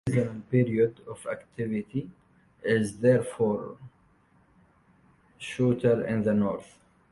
The seasonal period of activity is therefore considerably shorter in the north.